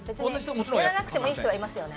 やらなくてもいい人、いますね？